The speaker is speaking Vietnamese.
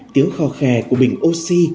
tiếng khò khè của bình oxy